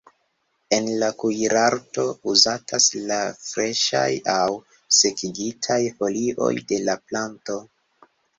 En la kuirarto uzatas la freŝaj aŭ sekigitaj folioj de la planto.